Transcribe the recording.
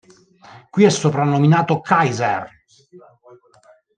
Qui è soprannominato "Kaiser".